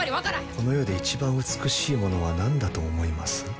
この世で一番美しいものは何だと思います？